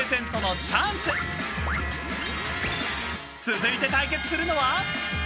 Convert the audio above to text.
［続いて対決するのは］